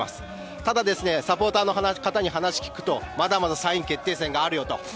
ただサポーターの方に話を聞くとまだまだ３位決定戦があるよと。